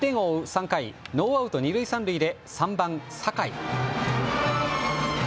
３回、ノーアウト二塁三塁で３番・酒井。